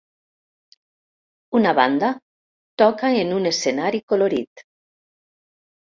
Una banda toca en un escenari colorit.